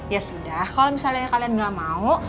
ya sudah kalau misalnya kalian gak mau